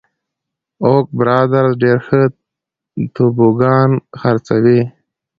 اوک برادرز ډېر ښه توبوګان خرڅوي.